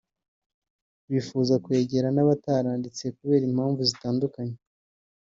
bifuza kwegera n’abataranditse kubera impamvu zitandukanye